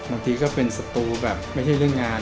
บางทีก็เป็นสตูแบบไม่ใช่เรื่องงาน